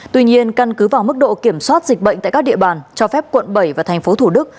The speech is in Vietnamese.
tuy nhiên căn cứ vào mức độ kiểm soát dịch bệnh tại các địa bàn cho phép quận bảy và thành phố thủ đức